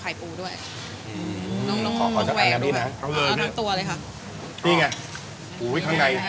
แม่ปรุงทำเอง